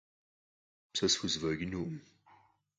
Сэ схузэфэкӏынукъым.